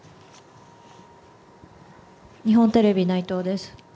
日本テレビ、内藤です。